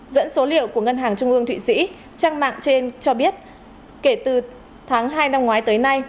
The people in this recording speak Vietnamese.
dẫn số liệu của ngân hàng trung ương thụy sĩ trang mạng trên cho biết kể từ tháng hai năm ngoái tới nay